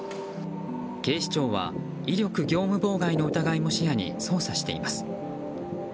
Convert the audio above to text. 警視庁は威力業務妨害の疑いも視野に捜査しています。